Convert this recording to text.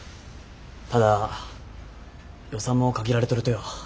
ただ予算も限られとるとよ。